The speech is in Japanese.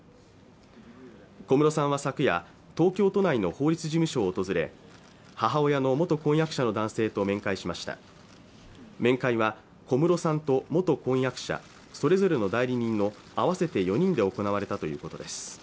小室さんは昨夜東京都内の法律事務所を訪れ母親の元婚約者の男性と面会しました面会は小室さんと元婚約者それぞれの代理人の合わせて４人で行われたということです